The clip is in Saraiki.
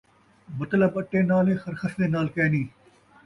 مطلب اٹے نال ہے خرخسے نال کئینھی